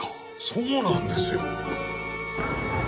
そうなんですよ。